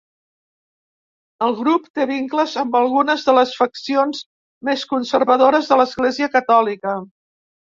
El grup té vincles amb algunes de les faccions més conservadores de l'Església catòlica.